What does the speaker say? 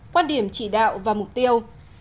hai quan điểm chỉ đạo và mục tiêu